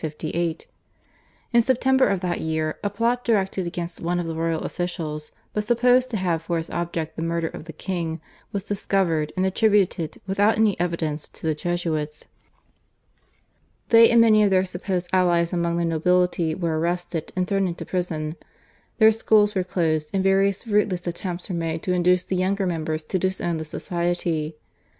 In September of that year a plot directed against one of the royal officials, but supposed to have for its object the murder of the king, was discovered and attributed without any evidence to the Jesuits. They and many of their supposed allies among the nobility were arrested and thrown into prison; their schools were closed, and various fruitless attempts were made to induce the younger members to disown the Society.